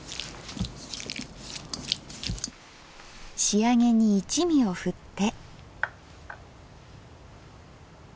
仕上げに一味をふって。